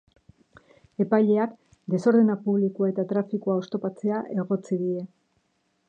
Epaileak desordena publikoa eta trafikoa oztopatzea egotzi die.